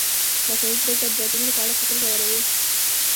مصنوعي ځیرکتیا د راتلونکي په اړه فکر ژوروي.